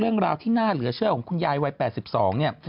เรื่องราวที่น่าเหลือเชื่อของคุณยายวัย๘๒เนี่ย